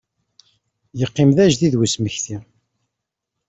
Yeqqim d ajedid usmekti.